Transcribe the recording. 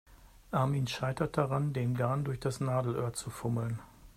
Armin scheitert daran, den Garn durch das Nadelöhr zu fummeln.